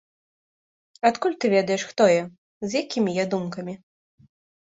Адкуль ты ведаеш, хто я, з якімі я думкамі?